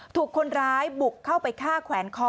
ถูกคนร้ายบุกเข้าไปฆ่าแขวนคอ